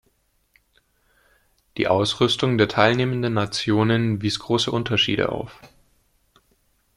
Die Ausrüstung der teilnehmenden Nationen wies große Unterschiede auf.